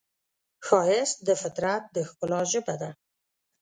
ښایست د فطرت د ښکلا ژبه ده